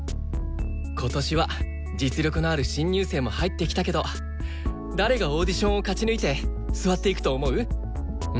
今年は実力のある新入生も入ってきたけど誰がオーディションを勝ち抜いて座っていくと思う？